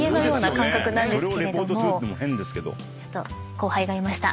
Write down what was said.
後輩がいました。